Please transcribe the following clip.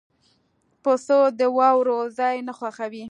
پسه د واورو ځای نه خوښوي.